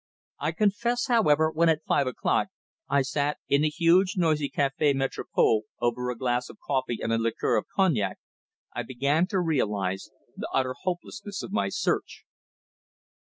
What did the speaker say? I confess, however, when at five o'clock, I sat in the huge, noisy Café Métropole over a glass of coffee and a liqueur of cognac, I began to realise the utter hopelessness of my search.